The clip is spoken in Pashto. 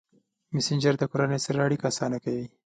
مسېنجر د کورنۍ سره اړیکه اسانه کوي.